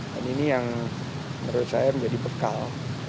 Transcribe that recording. dan ini yang menurut saya menjadi bekal